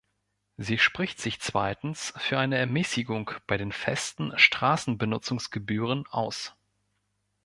Sie spricht sich zweitens für eine Ermäßigung bei den festen Straßenbenutzungsgebühren aus.